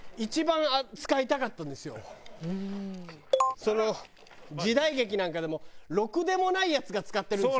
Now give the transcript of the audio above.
その時代劇なんかでもろくでもないヤツが使ってるんですよ